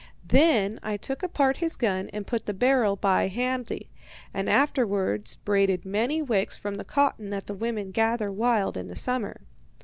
Then I took apart his gun and put the barrel by handy, and afterwards braided many wicks from the cotton that the women gather wild in the summer.